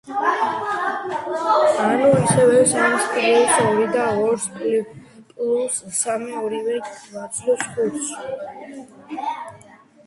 ანუ, ისევ, სამს პლუს ორი და ორს პლუს სამი ორივე გვაძლევს ხუთს.